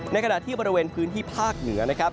ในขณะที่บริเวณพื้นที่ภาคเหนือนะครับ